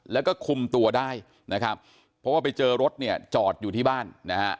แล้วก็คุมตัวได้นะครับเพราะว่าไปเจอรถเนี่ยจอดอยู่ที่บ้านนะฮะ